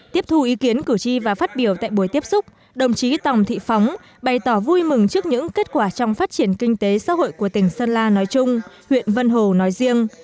tiếp thu ý kiến cử tri và phát biểu tại buổi tiếp xúc đồng chí tòng thị phóng bày tỏ vui mừng trước những kết quả trong phát triển kinh tế xã hội của tỉnh sơn la nói chung huyện vân hồ nói riêng